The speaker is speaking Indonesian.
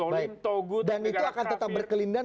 dan itu akan tetap berkelindahan